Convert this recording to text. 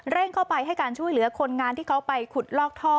เข้าไปให้การช่วยเหลือคนงานที่เขาไปขุดลอกท่อ